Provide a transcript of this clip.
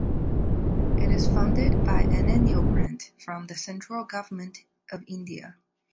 It is funded by an annual grant from the Central Government of India.